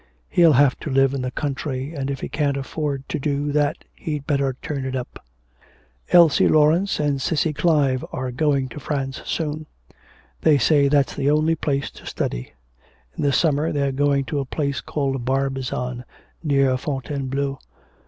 He'll have to live in the country, and if he can't afford to do that he'd better turn it up.' 'Elsie Laurence and Cissy Clive are going to France soon. They say that's the only place to study. In the summer they're going to a place called Barbizon, near Fontainebleau.